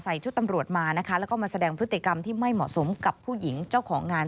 ชุดตำรวจมานะคะแล้วก็มาแสดงพฤติกรรมที่ไม่เหมาะสมกับผู้หญิงเจ้าของงาน